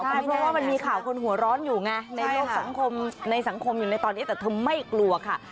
ใช่เพราะว่ามันมีข่าวคนหัวร้อนอยู่ไงในโลกสังคมในสังคมอยู่ในตอนนี้แต่เธอไม่กลัวค่ะ